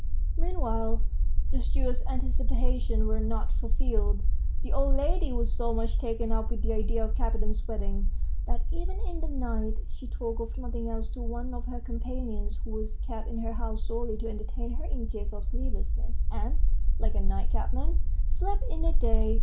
Meanwhile, the steward's anticipations were not fulfilled. The old lady was so much taken up with the idea of Kapiton's wedding, that even in the night she talked of nothing else to one of her companions, who was kept in her house solely to entertain her in case of sleeplessness, and, like a night cabman, slept in the day.